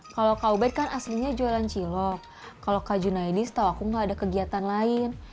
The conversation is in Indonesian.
kalau kak ubed kan aslinya jualan cilok kalau kak junaidin setahu aku gak ada kegiatan lain